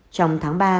trong tháng ba